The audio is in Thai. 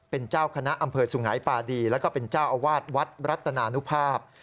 เป็นเจ้าคณะอำเภอสุงหายปาดีแล้วก็เป็นเจ้าอาวาสวัดรัตนานุภาพ